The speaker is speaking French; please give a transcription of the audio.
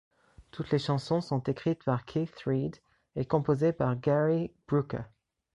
Toutes les chansons sont écrites par Keith Reid et composées par Gary Brooker.